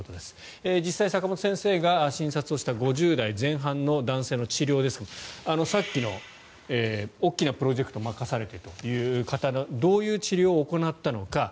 実際、坂元先生が診察した５０代前半の男性の治療ですがさっきの大きなプロジェクトを任されてという方どういう治療を行ったのか。